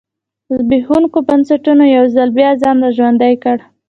زبېښونکو بنسټونو یو ځل بیا ځان را ژوندی کړ.